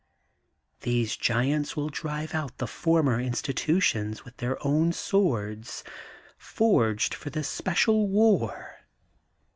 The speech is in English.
These giants will drive out the former institutions with their own swords, forged for this special war.